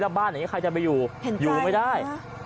แล้วบ้านในนี้ใครจะไปอยู่อยู่ไม่ได้